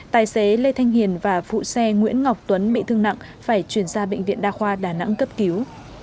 tài xế lê thanh hiền và phụ xe nguyễn ngọc tuấn bị thương nặng phải chuyển ra bệnh viện đa khoa đà nẵng cấp cứu